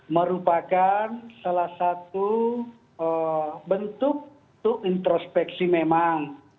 merupakan salah satu bentuk untuk introspeksi memang